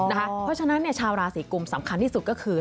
เพราะฉะนั้นชาวราศีกุมสำคัญที่สุดก็คือ